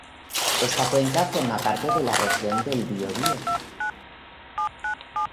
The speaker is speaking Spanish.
Esta cuenca forma parte de la Región del Biobío.